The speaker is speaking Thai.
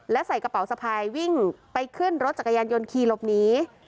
และใส่กระเป๋าสะพายวิ่งไปขึ้นรถจักรยานยนต์ขี่หลบหนี